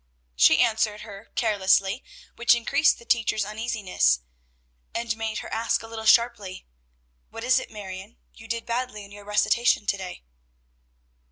She answered her carelessly, which increased the teacher's uneasiness, and made her ask a little sharply, "What is it, Marion? You did badly in your recitation to day."